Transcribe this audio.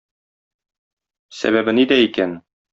Сәбәбе нидә икән?